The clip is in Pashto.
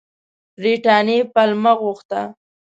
برټانیې پلمه غوښته.